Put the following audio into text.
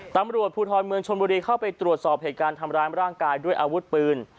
ตำรวจภูทรเมืองชนบุรีเข้าไปตรวจสอบเหตุการณ์ทำร้ายร่างกายด้วยอาวุธปืน